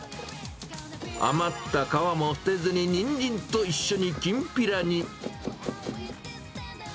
余った皮も捨てずににんじんと一緒にきんぴらに。